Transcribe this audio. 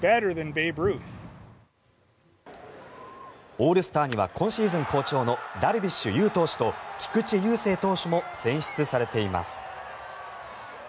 オールスターには今シーズン好調のダルビッシュ有投手と菊池雄星投手も選出されています。